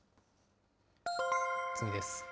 次です。